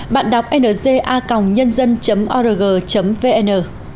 bạn đọc nga nhân dân org vn